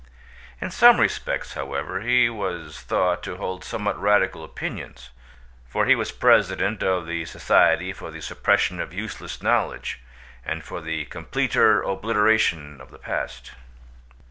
In some respects, however, he was thought to hold somewhat radical opinions, for he was President of the Society for the Suppression of Useless Knowledge, and for the Completer Obliteration of the Past.